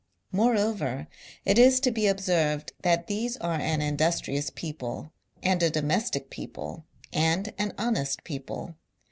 Moreover, it is to be observed that these are an industrious people, and a domestic people, and an honest people.